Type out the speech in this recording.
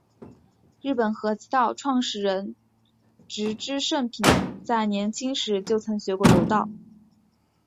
日本合气道创始人植芝盛平在年轻时就曾学过柔道。